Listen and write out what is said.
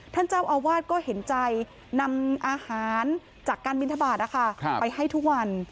ท่านเจ้าอาวาสก็เห็นใจนำอาหารจากการบินทบาทไปให้ทุกวัน